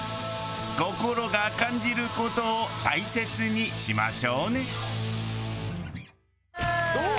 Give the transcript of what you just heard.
心が感じる事を大切にしましょうね。